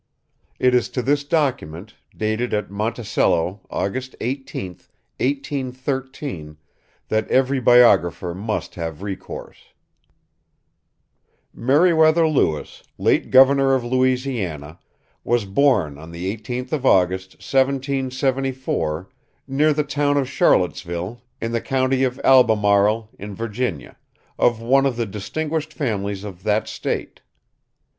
It is to this document, dated at Monticello, August 18, 1813, that every biographer must have recourse: "Meriwether Lewis, late governor of Louisiana, was born on the 18th of August, 1774, near the town of Charlottesville, in the county of Albemarle, in Virginia, of one of the distinguished families of that State.